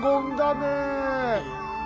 ねえ？